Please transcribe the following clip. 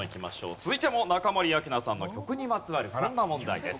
続いても中森明菜さんの曲にまつわるこんな問題です。